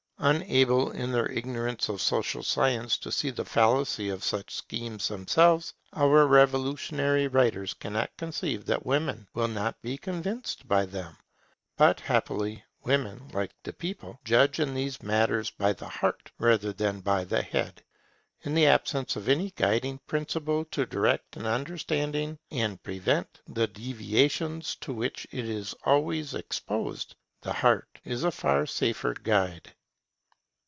Unable in their ignorance of social science to see the fallacy of such schemes themselves, our revolutionary writers cannot conceive that women will not be convinced by them. But happily women, like the people, judge in these matters by the heart rather than by the head. In the absence of any guiding principle to direct the understanding and prevent the deviations to which it is always exposed, the heart is a far safer guide.